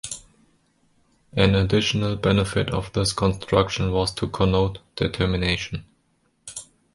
An additional benefit of this construction was to connote "determination".